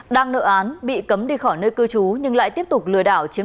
đang nợ án bị cấm đi khỏi nơi cư trú nhưng lại tiếp tục lừa đảo chiếm